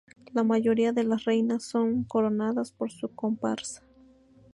La mayoría de las reinas son coronadas por su comparsa.